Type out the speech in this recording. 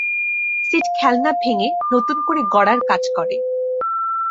Seed খেলনা ভেঙ্গে নতুন করে গড়ার কাজ করে।